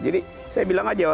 jadi saya bilang aja